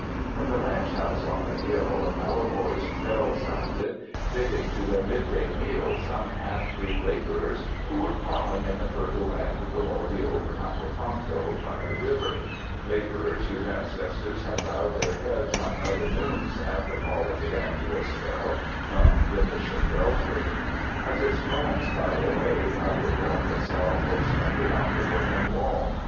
From the ranch house on the hill a mellow voiced bell sounded, bidding to their midday meal some half breed laborers who were ploughing in the fertile land below the old campo santo by the river — labor ers whose ancestors had bowed their heads on other noons at the call of the angelus bell from the Mission belfry. As its tones died away, I looked up and saw a horseman beyond the broken wall.